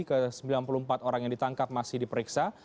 ke sembilan puluh empat orang yang ditangkap masih diperiksa